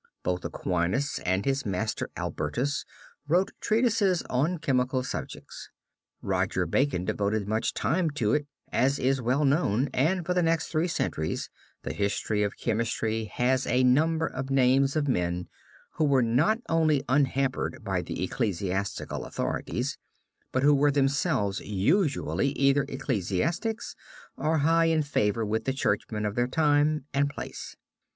Both Aquinas and his master Albertus wrote treatises on chemical subjects. Roger Bacon devoted much time to it as is well known, and for the next three centuries the history of chemistry has a number of names of men who were not only unhampered by the ecclesiastical authorities, but who were themselves usually either ecclesiastics, or high in favor with the churchmen of their time and place.